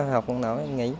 học không nổi